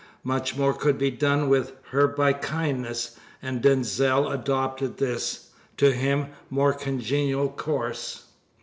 Much more could be done with her by kindness, and Denzil adopted this to him more congenial course.